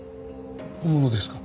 本物ですか？